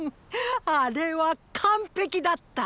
あれは完璧だった！